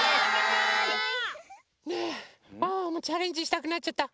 ねえワンワンもチャレンジしたくなっちゃった。